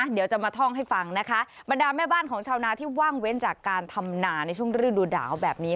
เดี๋ยวจะมาท่องให้ฟังนะคะบรรดาแม่บ้านของชาวนาที่ว่างเว้นจากการทำนาในช่วงฤดูหนาวแบบนี้